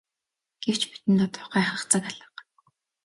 Гэвч бидэнд одоо гайхах цаг алга.